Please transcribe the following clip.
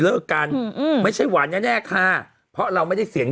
เลิกกันอืมไม่ใช่หวานแน่แน่ค่ะเพราะเราไม่ได้เสียง